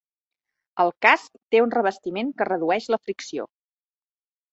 El casc té un revestiment que redueix la fricció.